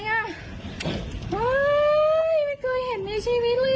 ไม่เคยเห็นในชีวิตเลย